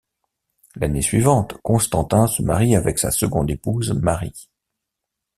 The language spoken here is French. L'année suivante, Constantin se marie avec sa seconde épouse Marie.